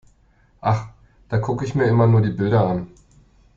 Ach, da gucke ich mir immer nur die Bilder an.